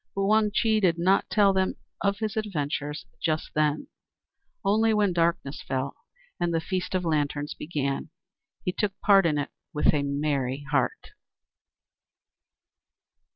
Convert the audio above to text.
But Wang Chih did not tell them his adventures just then; only when darkness fell, and the Feast of Lanterns began, he took part in it with a merry heart.